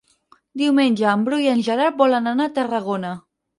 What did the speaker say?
Diumenge en Bru i en Gerard volen anar a Tarragona.